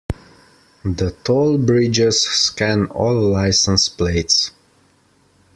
The toll bridges scan all license plates.